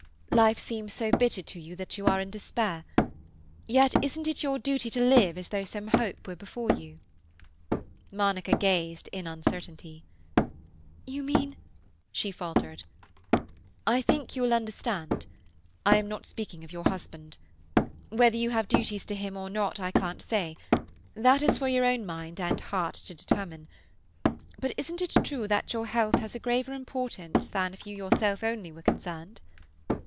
"Life seems so bitter to you that you are in despair. Yet isn't it your duty to live as though some hope were before you?" Monica gazed in uncertainty. "You mean—" she faltered. "I think you will understand. I am not speaking of your husband. Whether you have duties to him or not I can't say; that is for your own mind and heart to determine. But isn't it true that your health has a graver importance than if you yourself only were concerned?"